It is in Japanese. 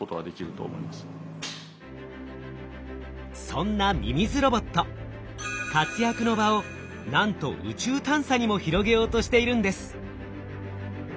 そんなミミズロボット活躍の場をなんと宇宙探査にも広げようとしているんです。